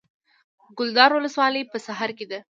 د کلدار ولسوالۍ په سرحد کې ده